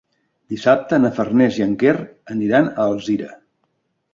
Dissabte na Farners i en Quer aniran a Alzira.